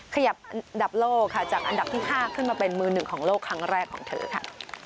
ขยับอันดับโลกค่ะจากอันดับที่๕ขึ้นมาเป็นมือหนึ่งของโลกครั้งแรกของเธอค่ะ